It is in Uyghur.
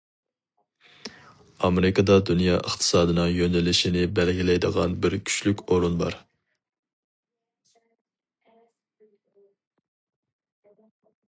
-ئامېرىكىدا دۇنيا ئىقتىسادىنىڭ يۆنىلىشىنى بەلگىلەيدىغان بىر كۈچلۈك ئورۇن بار.